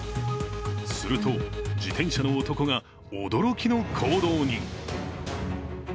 すると、自転車の男が驚きの行動に。